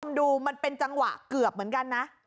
ดูมันเป็นจังหวะเกือบเหมือนกันนะ